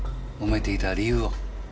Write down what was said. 揉めていた理由を。